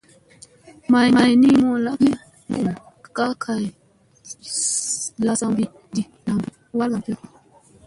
May ni, mulla gi humum ka kay lamzolomɓi ɗi, nam maaram kiyo.